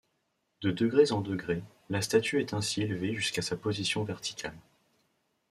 De degrés en degrés, la statue est ainsi élevée jusqu’à sa position verticale.